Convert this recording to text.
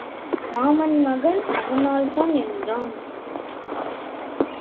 மாமன் மகள் அதனால்தான் என்றான்.